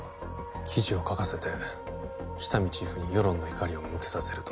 記事を書かせて喜多見チーフに世論の怒りを向けさせると？